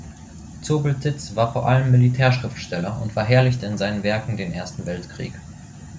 Zobeltitz war vor allem Militärschriftsteller und verherrlichte in seinen Werken den Ersten Weltkrieg.